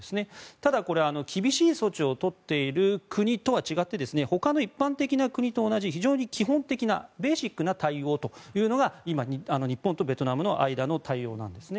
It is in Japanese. ただ、これは厳しい措置を取っている国とは違って、ほかの一般的な国と同じ非常に基本的なベーシックな対応というのが今、日本とベトナムの間の対応なんですね。